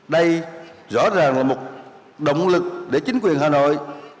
đây rõ ràng là một động lực để chính quyền hà nội